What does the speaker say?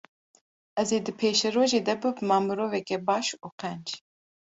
ez ê di pêşerojê de bibima mirovekê baş û qenc.